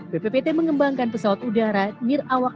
bppt mengembangkan pesawat udara mirawak